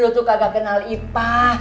lu tuh kagak kenal ipa